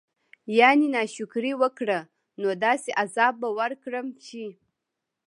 يعني نا شکري وکړه نو داسي عذاب به ورکړم چې